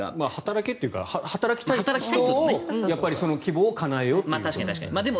働きたいというか働きたい人のその希望をかなえようという。